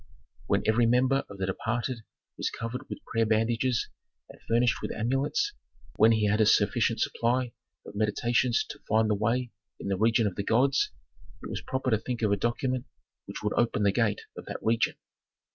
When every member of the departed was covered with prayer bandages, and furnished with amulets, when he had a sufficient supply of meditations to find the way in the region of the gods, it was proper to think of a document which would open the gate of that region.